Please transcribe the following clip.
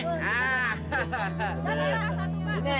ah ya udah sini